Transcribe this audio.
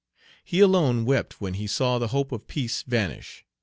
He alone wept when he saw the hope of peace vanish.